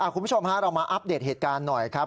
คุณผู้ชมฮะเรามาอัปเดตเหตุการณ์หน่อยครับ